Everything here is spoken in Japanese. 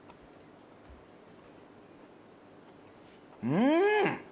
うん！